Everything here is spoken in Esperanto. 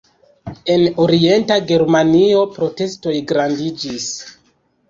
En orienta Germanio protestoj grandiĝis.